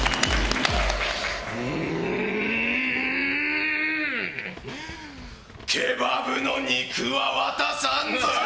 んーケバブの肉は渡さんぞ！